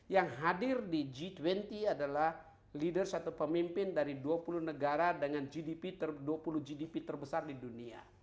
yang hadir di g dua puluh adalah leaders atau pemimpin dari dua puluh negara dengan dua puluh gdp terbesar di dunia